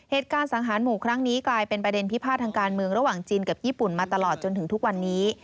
สังหารหมู่ครั้งนี้กลายเป็นประเด็นพิพาททางการเมืองระหว่างจีนกับญี่ปุ่นมาตลอดจนถึงทุกวันนี้